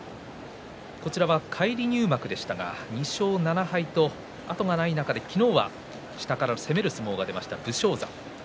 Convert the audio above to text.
返り入幕でしたが２勝７敗と後がない中で昨日は下から攻める相撲が出た武将山です。